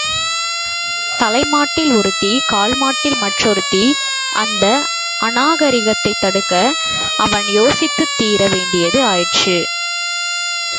தலைமாட்டில் ஒருத்தி, கால்மாட்டில் மற்றொருத்தி, இந்த அநாகரிகத்தைத் தடுக்க அவன் யோசித்துத் தீர வேண்டியது ஆயிற்று.